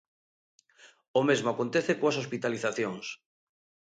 O mesmo acontece coas hospitalizacións.